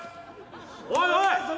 おいおい！